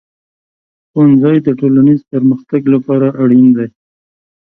ښوونځی د ټولنیز پرمختګ لپاره اړین دی.